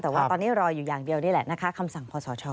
แต่ว่าตอนนี้รออยู่อย่างเดียวนี่แหละนะคะคำสั่งขอสช